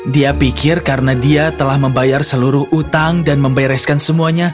dia pikir karena dia telah membayar seluruh utang dan membereskan semuanya